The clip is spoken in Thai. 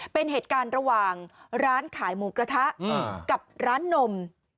เป็นเหตุการณ์ระหว่างร้านขายหมูกระทะกับร้านนม